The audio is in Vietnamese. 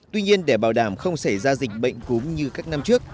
tuy nhiên để bảo đảm không xảy ra dịch bệnh cúm như các năm trước